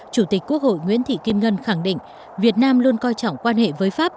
chủ tịch quốc hội nguyễn thị kim ngân khẳng định việt nam luôn coi trọng quan hệ với pháp